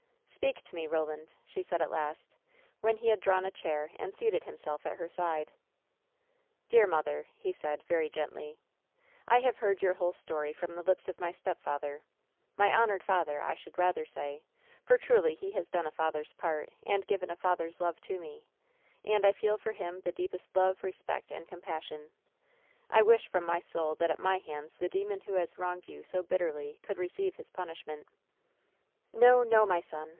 "Speak to me, Roland," she said at last, when he had drawn a chair and seated himself at her side "Dear mother," he said, very gently, "I have heard your whole story from the lips of my stepfather — my honored father, I should rather say, for truly he has done a father's part, and given a father's love to me — and I feel for him the deepest love, respect and compas sion. I wish from my soul that at my hands the demon who has wronged you so bitterly could receive his pun ishment." "N"o, no, my son.